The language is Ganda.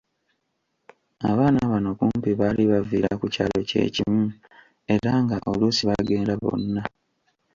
Abaana bano kumpi baali baviira ku kyalo kye kimu era nga oluusi bagenda bonna.